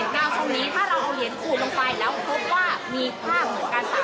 งาทรงนี้ถ้าเราเอาเหรียญขูดลงไปแล้วพบว่ามีภาพเหมือนการตัก